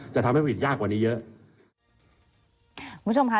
จะทำให้ผลิตยากกว่านี้เยอะ